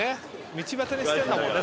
道端に捨てんだもんね